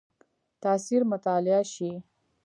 تاثیر مطالعه شي.